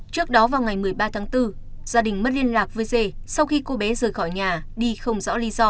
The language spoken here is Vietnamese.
trước đó vào ngày một mươi ba tháng bốn gia đình mất liên lạc với dê sau khi cô bé rời khỏi nhà đi không rõ lý do